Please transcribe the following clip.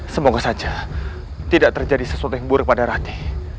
semoga saja tidak terjadi sesuatu yang buruk pada raki